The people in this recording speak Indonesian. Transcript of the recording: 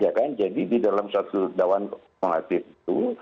ya kan jadi di dalam satu dawaan kumulatif itu